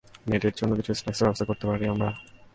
নেডের জন্য কিছু স্ন্যাকসের ব্যবস্থা করতে পারি আমরা?